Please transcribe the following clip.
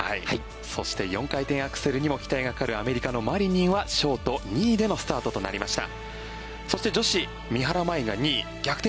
そして４回転アクセルにも期待がかかるアメリカのマリニンはショート、２位でのスタートとなりました。